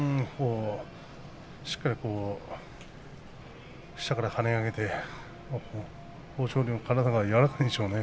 しっかり下から跳ね上げて豊昇龍の体が柔らかいんでしょうね。